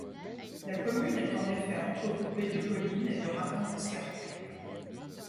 La commune est en effet entrecoupée de collines et de ravins escarpés.